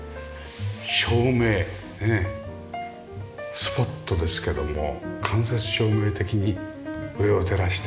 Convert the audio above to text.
照明ねスポットですけども間接照明的に上を照らして。